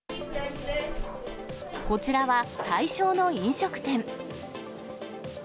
こちらは対象の飲食店。